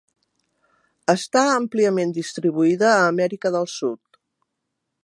Està àmpliament distribuïda a Amèrica del Sud.